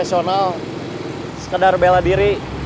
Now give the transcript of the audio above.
dia malah kenceng badai